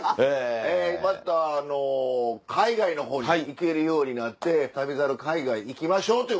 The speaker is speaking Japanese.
またあの海外の方に行けるようになって『旅猿』海外行きましょうということで。